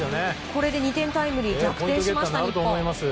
これで２点タイムリー逆転しました、日本。